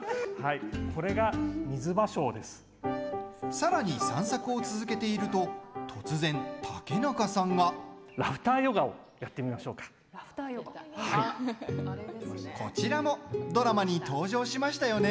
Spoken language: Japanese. さらに散策を続けていると突然、竹中さんが。こちらもドラマに登場しましたよね。